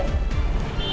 dia tuh perempuan